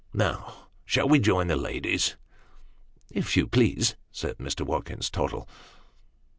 Now, shall we join the ladies ?"" If you please," said Mr. Watkins Tottle.